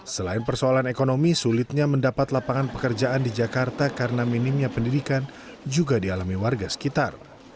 selain persoalan ekonomi sulitnya mendapat lapangan pekerjaan di jakarta karena minimnya pendidikan juga dialami warga sekitar